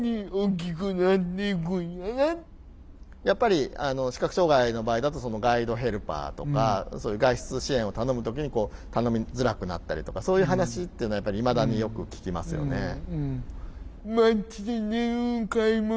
やっぱり視覚障害の場合だとガイドヘルパーとかそういう外出支援を頼む時に頼みづらくなったりとかそういう話っていうのはやっぱりいまだによく聞きますよね。